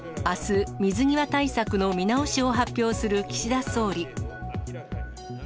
あす、水際対策の見直しを発表する岸田総理。